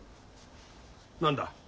何だ？